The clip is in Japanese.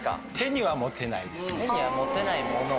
手には持てないもの。